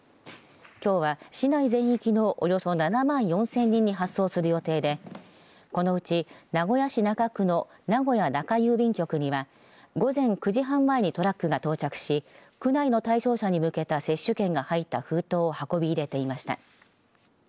きょうは、市内全域のおよそ７万４０００人に発送する予定でこのうち、名古屋市中区の名古屋中郵便局には午前９時半前にトラックが到着し区内の対象者に向けた接種券が入った封筒を運び入れていました。